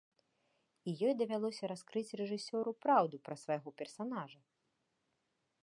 І ёй давялося раскрыць рэжысёру праўду пра свайго персанажа.